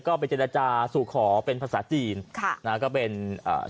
ก็ไปเจรจาสู่ขอเป็นภาษาจีนค่ะนะฮะก็เป็นอ่า